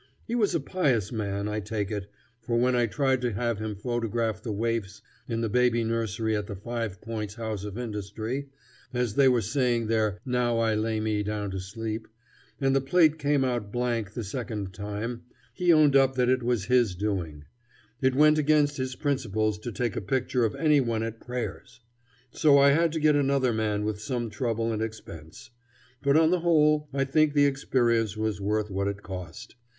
He was a pious man, I take it, for when I tried to have him photograph the waifs in the baby nursery at the Five Points House of Industry, as they were saying their "Now I lay me down to sleep," and the plate came out blank the second time, he owned up that it was his doing: it went against his principles to take a picture of any one at prayers. So I had to get another man with some trouble and expense. But on the whole I think the experience was worth what it cost.